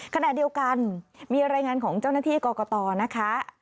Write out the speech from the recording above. ขณะเดียวกันมีรายงานของเจ้าหน้าที่กรกตนะคะ